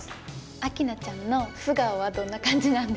明菜ちゃんの素顔はどんな感じなんですか？